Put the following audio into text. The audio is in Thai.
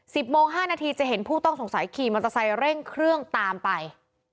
โมงห้านาทีจะเห็นผู้ต้องสงสัยขี่มอเตอร์ไซค์เร่งเครื่องตามไป